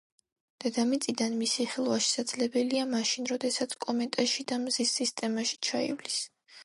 დედამიწიდან მისი ხილვა შესაძლებელია მაშინ, როდესაც კომეტა შიდა მზის სისტემაში ჩაივლის.